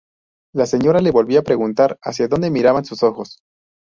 La señora le volvió a preguntar hacia donde miraban sus ojos.